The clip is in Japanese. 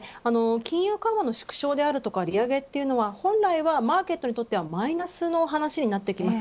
金融緩和の縮小や利上げは本来はマーケットにとってはマイナスの話になってきます。